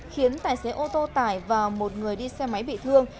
khiến tài xế ô tô tải và một người đi xe máy bị thương